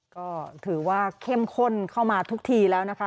ก็ถือว่าเข้มข้นเข้ามาทุกทีแล้วนะคะ